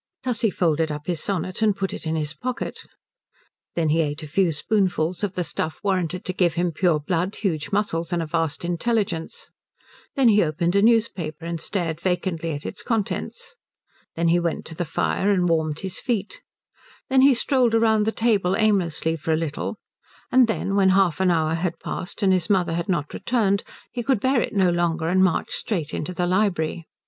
Tussie folded up his sonnet and put it in his pocket. Then he ate a few spoonfuls of the stuff warranted to give him pure blood, huge muscles, and a vast intelligence; then he opened a newspaper and stared vacantly at its contents; then he went to the fire and warmed his feet; then he strolled round the table aimlessly for a little; and then, when half an hour had passed and his mother had not returned, he could bear it no longer and marched straight into the library.